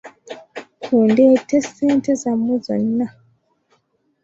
Ka ndeete ssente zammwe zonna.